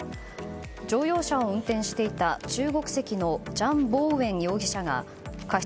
乗用車を運転していた中国籍のジャン・ボウウエン容疑者が過失